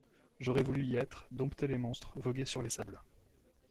J’aurais voulu y être, dompter les monstres, voguer sur les sables.